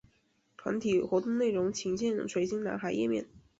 团体活动内容请见水晶男孩页面。